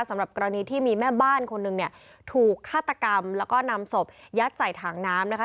สำหรับกรณีที่มีแม่บ้านคนหนึ่งเนี่ยถูกฆาตกรรมแล้วก็นำศพยัดใส่ถังน้ำนะคะ